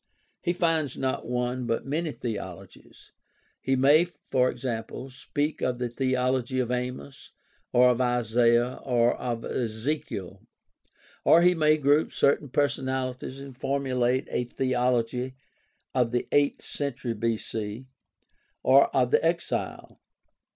He finds not one, but many theologies. He may, e.g., speak of the theology of Amos, or of Isaiah, or of Ezekiel, or he may group certain personalities and formu late a theology of the eighth century B.C., or of the Exile.